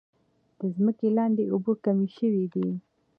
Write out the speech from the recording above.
د ځمکې لاندې اوبه کمې شوي دي.